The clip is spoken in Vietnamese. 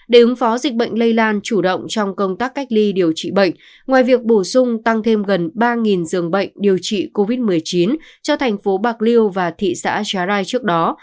để ứng phó dịch bệnh lây lan chủ động trong công tác cách ly điều trị bệnh ngoài việc bổ sung tăng thêm gần ba giường bệnh điều trị covid một mươi chín cho thành phố bạc liêu và thị xã trà rai trước đó